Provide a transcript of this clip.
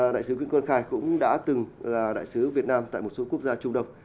đại sứ nguyễn quang khai cũng đã từng là đại sứ việt nam tại một số quốc gia trung đông